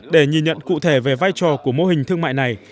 để nhìn nhận cụ thể về vai trò của mô hình thương mại này